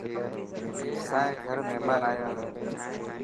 اسائي گھر مهمان آيا هي.